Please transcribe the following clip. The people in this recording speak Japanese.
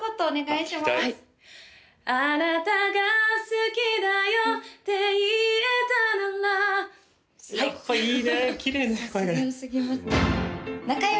「あなたが好きだよ」って言えたならやっぱいいねきれいね声がねえっと